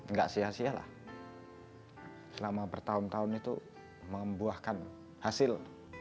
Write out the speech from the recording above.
nggak sia sia lah selama bertahun tahun itu membuahkan hasil